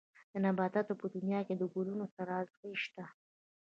د نباتاتو په دنيا کې له ګلونو سره ازغي شته.